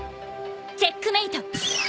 チェックメイト。